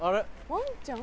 ワンちゃん？